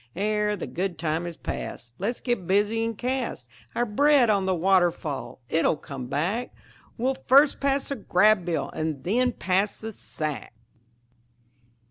Ere the good time is past Let's get busy and cast Our bread on the waterfall it'll come back. We'll first pass the Grabb Bill, and then pass the sack."